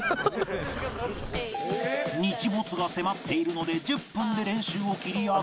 日没が迫っているので１０分で練習を切り上げ